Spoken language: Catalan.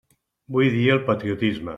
Vull dir el patriotisme.